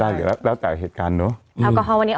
เหนื่อยไง